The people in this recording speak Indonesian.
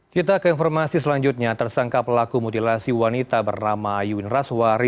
kita ke informasi selanjutnya tersangka pelaku mutilasi wanita bernama ayun raswari